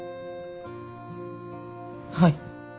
はい。